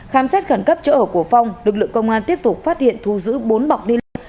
khám xét khẩn cấp chỗ ở của phong lực lượng công an tiếp tục phát hiện thu giữ bốn bọc ni lông